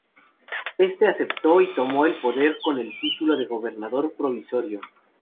Éste aceptó y tomó el poder con el título de "Gobernador Provisorio".